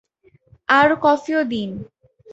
আর কফিও দিন।